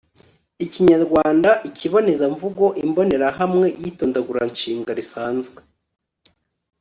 ikinyarwanda, ikibonezamvugo imbonerahamwe y'itondaguranshinga risanzwe